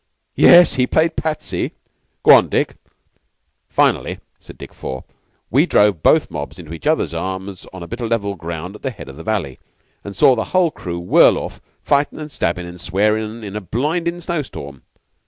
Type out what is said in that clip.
"Yes, he played 'Patsy.' Go on, Dick." "Finally," said Dick Four, "we drove both mobs into each other's arms on a bit of level ground at the head of the valley, and saw the whole crew whirl off, fightin' and stabbin' and swearin' in a blindin' snow storm.